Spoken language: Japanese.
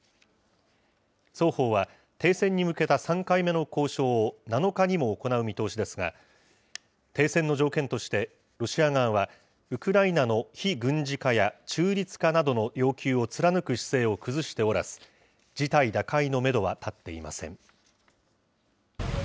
双方は、停戦に向けた３回目の交渉を７日にも行う見通しですが、停戦の条件として、ロシア側はウクライナの非軍事化や中立化などの要求を貫く姿勢を崩しておらず、事態打開のメドは立っていません。